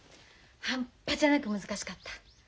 半端じゃなく難しかった。